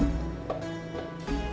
kita semua yang akan merawatnya